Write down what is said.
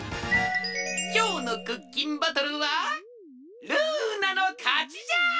きょうのクッキンバトルはルーナのかちじゃ！